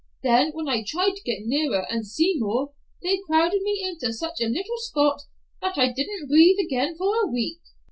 Then, when I tried to get nearer and see more, they crowded me into such a little spot that I didn't breathe again for a week."